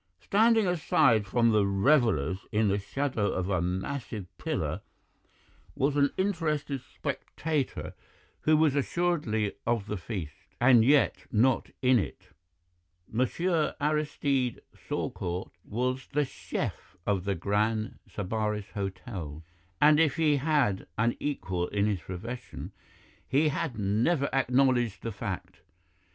"Standing aside from the revellers in the shadow of a massive pillar was an interested spectator who was assuredly of the feast, and yet not in it. Monsieur Aristide Saucourt was the CHEF of the Grand Sybaris Hotel, and if he had an equal in his profession he had never acknowledged the fact.